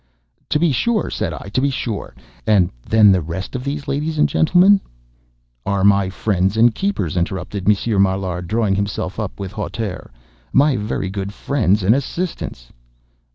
"To be sure," said I,—"to be sure—and then the rest of these ladies and gentlemen—" "Are my friends and keepers," interupted Monsieur Maillard, drawing himself up with hauteur,—"my very good friends and assistants."